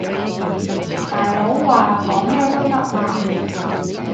大佬話講咩都得嘛